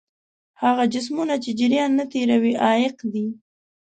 هغه جسمونه چې جریان نه تیروي عایق دي.